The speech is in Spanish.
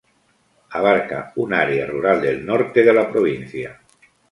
Abarca un área rural del norte de la provincia.